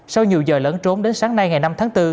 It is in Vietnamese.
sau nhiều giờ lẫn trốn đến sáng nay ngày năm tháng bốn